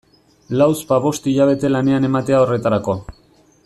Lauzpabost hilabete lanean ematea horretarako...